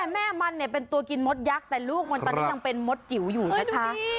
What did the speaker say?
แม่มันเป็นตัวกินมดยักษ์แต่ลูกมันตอนนี้ยังเป็นมดจิ๋วอยู่นะคะ